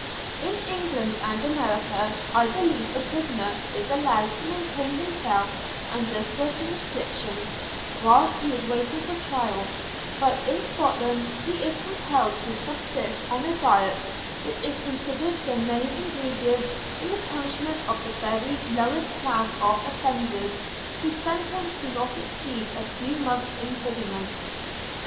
In England and America I believe a prisoner is allowed to maintain himself, under certain restrictions, whilst he is waiting for trial; but in Scotland he is compelled to subsist on a diet which is considered the main ingredient in the punishment of the very lowest class of offenders whose sentences do not exceed a few months' imprisonment.